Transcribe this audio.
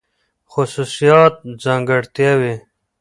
خصوصيات √ ځانګړتياوې